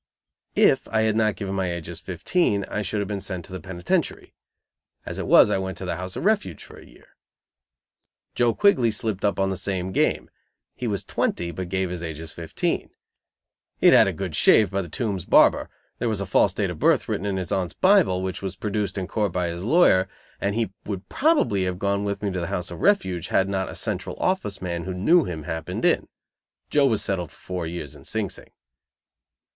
If I had not given my age as fifteen I should have been sent to the penitentiary. As it was I went to the House of Refuge for a year. Joe Quigley slipped up on the same game. He was twenty, but gave his age as fifteen. He had had a good shave by the Tombs barber, there was a false date of birth written in his Aunt's Bible, which was produced in court by his lawyer, and he would probably have gone with me to the House of Refuge, had not a Central Office man who knew him, happened in; Joe was settled for four years in Sing Sing.